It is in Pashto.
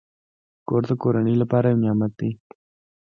کور د کورنۍ لپاره یو نعمت دی.